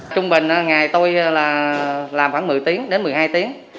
trung bình ngày tôi làm khoảng một mươi tiếng đến một mươi hai tiếng